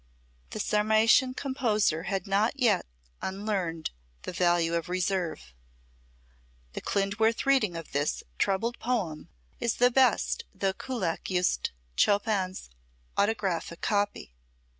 The Sarmatian composer had not yet unlearned the value of reserve. The Klindworth reading of this troubled poem is the best though Kullak used Chopin's autographic copy.